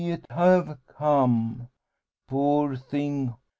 it have come. Poor thing!